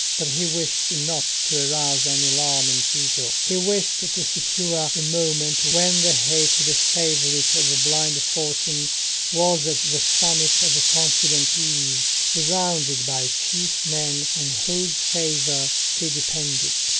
But he wished not to arouse any alarm in Tito: he wished to secure a moment when the hated favourite of blind fortune was at the summit of confident ease, surrounded by chief men on whose favour he depended.